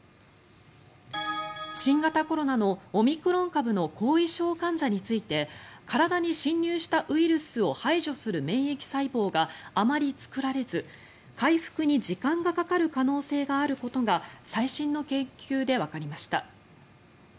新型コロナのオミクロン株の後遺症患者について体に侵入したウイルスを排除する免疫細胞があまり作られず、回復に時間がかかる可能性があることが最新の研究でわかりました。